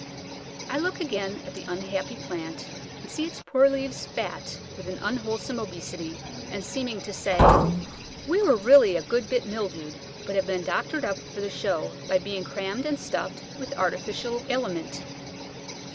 I look again at the unhappy plant, and see its poor leaves fat with an unwholesome obesity, and seeming to say, We were really a good bit mildewed, but have been doctored up for the show by being crammed and stuffed with artificial aliment!